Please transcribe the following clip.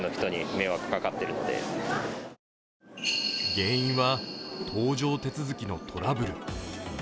原因は搭乗手続きのトラブル。